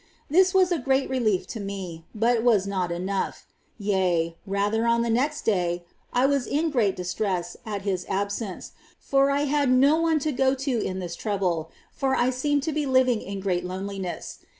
^ This was a very great relief to me, but was not enough ; yea, rather, on the next day I was in great distress at his ab sence, for I had no one to go to in this trouble, for I seemed to be living in great loneliness.